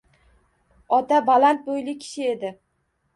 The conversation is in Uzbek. Ota baland boʻyli kishi edi.